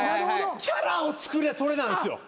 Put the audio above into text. キャラを作れそれなんですよ。